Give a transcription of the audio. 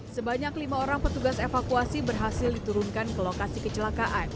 sebanyak lima orang petugas evakuasi berhasil diturunkan ke lokasi kecelakaan